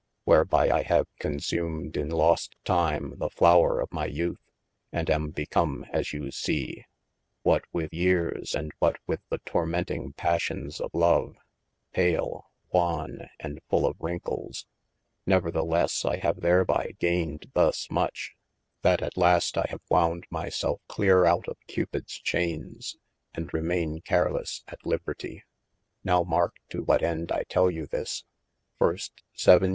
Wherby I have consumed in lost time the flower of my youth, & am become as you see (what with yeares, and what with the tormenting passions of love) pale, wane, and full of wrinkles. Neverthelesse, I have therby gayned thus much, that at last I have wond my self cleere out of Cupids chaynes, and remayne carelesse at libertie. Now marke to what end I tell you this : first vii.